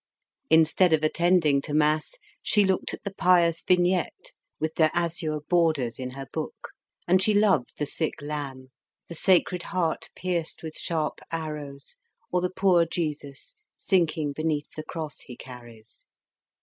Instead of attending to mass, she looked at the pious vignettes with their azure borders in her book, and she loved the sick lamb, the sacred heart pierced with sharp arrows, or the poor Jesus sinking beneath the cross he carries.